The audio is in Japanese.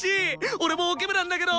俺もオケ部なんだけど！